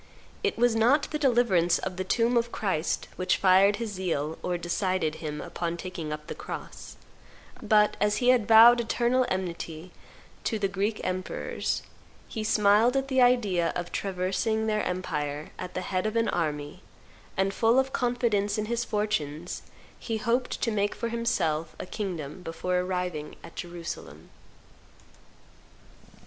It was not the deliverance of the tomb of Christ which fired his zeal or decided him upon taking up the cross; but, as he had vowed eternal enmity to the Greek emperors, he smiled at the idea of traversing their empire at the head of an army, and, full of confidence in his fortunes, he hoped to make for himself a kingdom before arriving at Jerusalem."